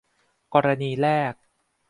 กรณีแรก